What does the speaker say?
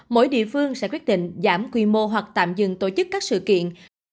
mỗi địa phương sẽ quyết định giảm quy mô hoặc tạm dừng tổ chức các sự kiện